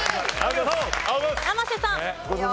生瀬さん。